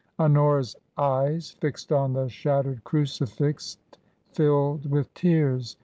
Honora's eyes fixed on the shattered crucifix filled with tears.